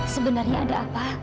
sebenarnya ada apa